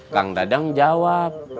kang dadang jawab